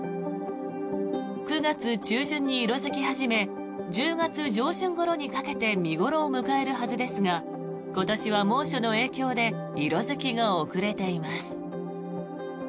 ９月中旬に色付き始め１０月上旬ごろにかけて見頃を迎えるはずですが今年は猛暑の影響で色付きが遅れています。